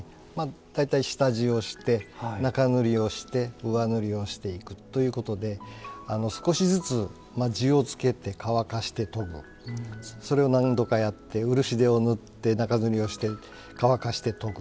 大体下地をして中塗りをして上塗りをしていくということで少しずつ地をつけて乾かして研ぐそれを何度かやって漆でを塗って中塗りをして乾かして研ぐ。